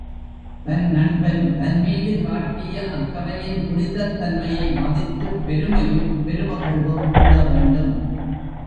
தன் நண்பன் தன்மீது காட்டிய அக்கறையின் புனிதத் தன்மையை மதித்துப் பெருமையும் பெருமகிழ்வும் கொள்ள வேண்டும்.